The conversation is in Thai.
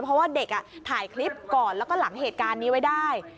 เพราะว่าเด็กถ่ายคลิปก่อนแล้วก็หลังเหตุการณ์นี้ไว้ได้